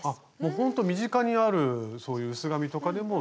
ほんと身近にあるそういう薄紙とかでも全然。